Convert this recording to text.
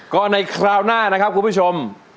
ก็ในคราวหน้านะครับคุณผู้ชม